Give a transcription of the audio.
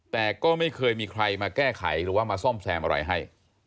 แต่ก็ไม่เคยมีใครมาแก้ไขหรือว่ามาซ่อมแซมอะไรให้